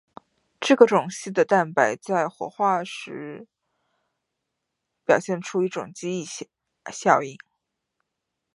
这个种系的蛋白在活化时表现出一种记忆效应。